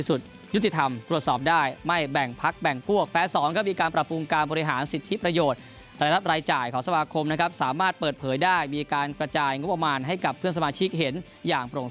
ที่จะเห็นการเปลี่ยนแปลง